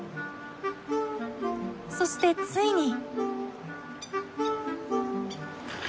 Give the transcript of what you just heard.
そしてついに。